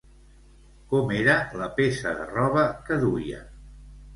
Com era la peça de roba que duia?